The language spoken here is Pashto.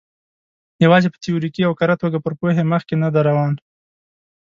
یوازې په تیوریکي او کره توګه پر پوهې مخکې نه دی روان.